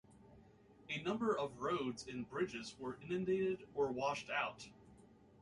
A number of roads and bridges were inundated or washed out.